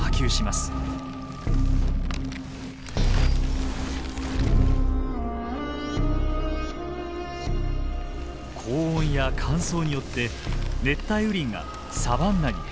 高温や乾燥によって熱帯雨林がサバンナに変化。